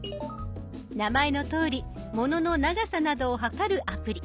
名前のとおりものの長さなどを測るアプリ。